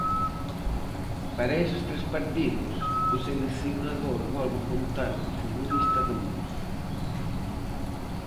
Para eses tres partidos, o seleccionador volve contar co futbolista de Mos.